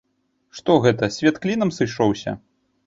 Што гэта, свет клінам сышоўся.